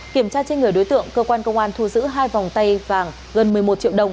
kiểm tra trên người đối tượng cơ quan công an thu giữ hai vòng tay vàng gần một mươi một triệu đồng